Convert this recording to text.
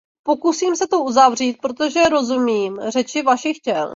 Pokusím se to uzavřít, protože rozumím řeči vašich těl.